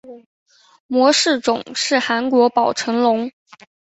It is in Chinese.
模式种是宝城韩国龙。